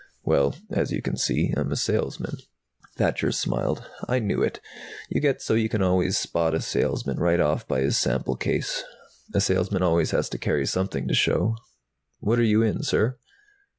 "Well, as you can see, I'm a salesman." Thacher smiled. "I knew it! You get so you can always spot a salesman right off by his sample case. A salesman always has to carry something to show. What are you in, sir?"